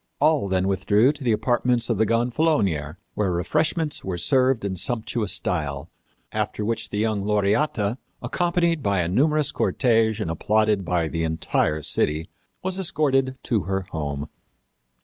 All then withdrew to the apartments of the gonfalonier, where refreshments were served in sumptuous style, after which the young Laureata, accompanied by a numerous cortege and applauded by the entire city, was escorted to her home.